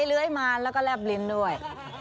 เลื้อยมาแล้วก็แลบลิ้นด้วย